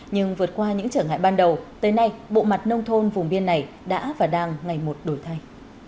nhưng vượt qua những trở ngại ban đầu tới nay bộ mặt nông thôn vùng biên này đã và đang ngày một đổi thay